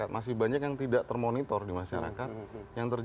masih banyak yang tidak termonitor di masyarakat